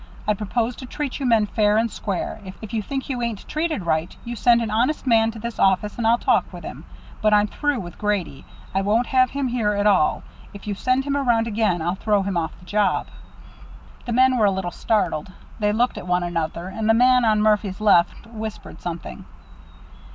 I propose to treat you men fair and square. If you think you ain't treated right, you send an honest man to this office, and I'll talk with him. But I'm through with Grady. I won't have him here at all. If you send him around again, I'll throw him off the job." The men were a little startled. They looked at one another, and the man on Murphy's left whispered something.